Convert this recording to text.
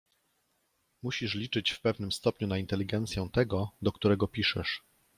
"Musisz liczyć w pewnym stopniu na inteligencję tego, do którego piszesz."